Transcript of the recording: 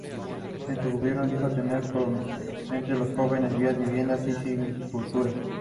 En su gobierno dijo tener como prioridades los jóvenes, vías, vivienda y silvicultura.